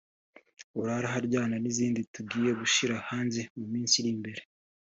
Urare aharyana n’izindi tugiye gushyira hanze mu minsi iri imbere